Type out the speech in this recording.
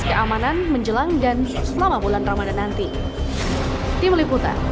keamanan menjelang dan selama bulan ramadan nanti